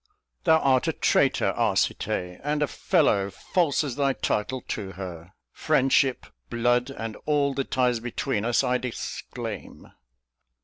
Thou art a traitor, Arcite, and a fellow False as thy title to her. Friendship, blood, And all the ties between us, I disclaim.